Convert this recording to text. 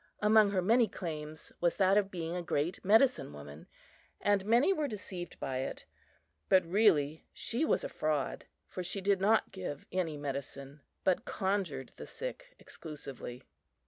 Among her many claims was that of being a great "medicine woman," and many were deceived by it; but really she was a fraud, for she did not give any medicine, but "conjured" the sick exclusively.